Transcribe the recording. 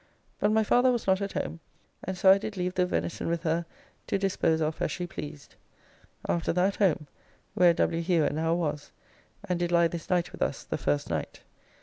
But my father was not at home, and so I did leave the venison with her to dispose of as she pleased. After that home, where W. Hewer now was, and did lie this night with us, the first night.